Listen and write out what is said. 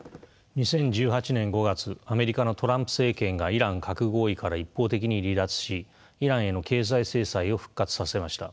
２０１８年５月アメリカのトランプ政権がイラン核合意から一方的に離脱しイランへの経済制裁を復活させました。